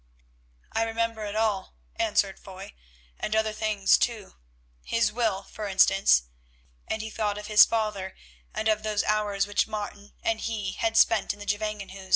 "I remember it all," answered Foy, "and other things too; his will, for instance," and he thought of his father and of those hours which Martin and he had spent in the Gevangenhuis.